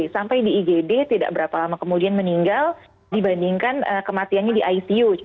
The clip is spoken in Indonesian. sampai di igd tidak berapa lama kemudian meninggal dibandingkan kematiannya di icu